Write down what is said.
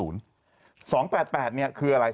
๒๘๘เนี่ยคืออะไร